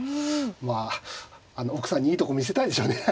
まあ奥さんにいいとこ見せたいでしょうね。